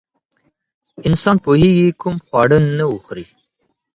انسان پوهېږي کوم خواړه نه وخوري.